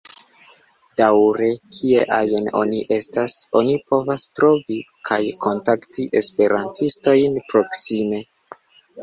Daŭre kie ajn oni estas, oni povas trovi kaj kontakti esperantistojn proksime.